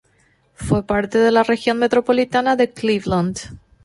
Fue parte de la región metropolitana de Cleveland.